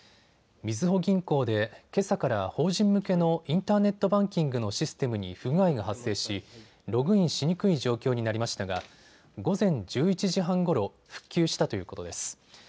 みずほ銀行でけさから法人向けのインターネットバンキングのシステムに不具合が発生しログインしにくい状況になりましたが午前１１時半ごろ、復旧したということです。